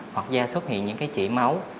hoặc da xuất hiện những chỉ máu